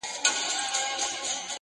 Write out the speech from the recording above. په شپېلۍ د اسرافیل ګوندي خبر سو -